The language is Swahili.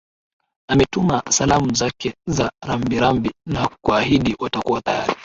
ametuma salamu zake za rambirambi na kuahidi watakuwa tayari